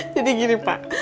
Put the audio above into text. jadi gini pak